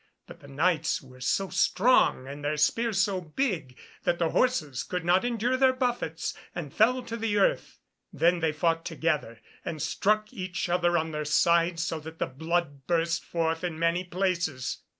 But the Knights were so strong, and their spears so big, that the horses could not endure their buffets, and fell to the earth. Then they fought together, and struck each other on their sides so that the blood burst forth in many places.